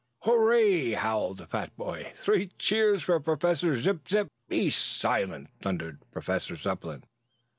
"Hooray!" howled the fat boy. "Three cheers for Professor Zip zip!" "Be silent!" thundered Professor Zepplin.